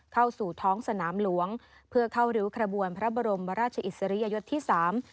เข้าสู่ท้องสนามหลวงเพื่อเข้าริ้วขบวนพระบรมราชอิสริยยศที่สาม